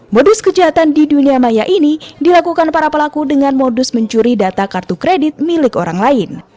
modus kejahatan di dunia maya ini dilakukan para pelaku dengan modus mencuri data kartu kredit milik orang lain